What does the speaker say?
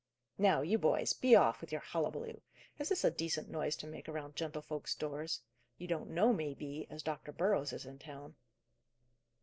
"Now, you boys! be off, with your hullabaloo! Is this a decent noise to make around gentlefolks' doors? You don't know, may be, as Dr. Burrows is in town."